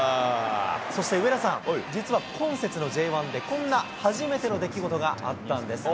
そして上田さん、実は今節のＪ１で、こんな初めての出来事があったんです。